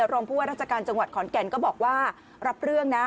รองผู้ว่าราชการจังหวัดขอนแก่นก็บอกว่ารับเรื่องนะ